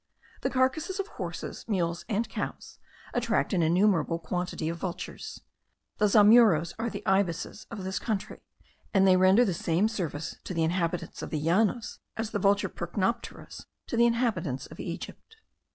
The carcases of horses, mules, and cows, attract an innumerable quantity of vultures. The zamuros are the ibisis of this country, and they render the same service to the inhabitants of the Llanos as the Vultur percnopterus to the inhabitants of Egypt.